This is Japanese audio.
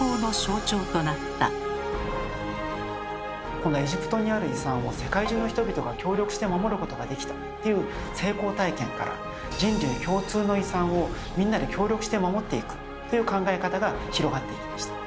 このエジプトにある遺産を世界中の人々が協力して守ることができたという成功体験から「人類共通の遺産」をみんなで協力して守っていくという考え方が広がっていきました。